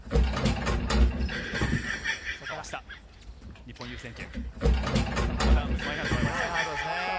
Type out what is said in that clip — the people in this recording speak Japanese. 日本、優先権。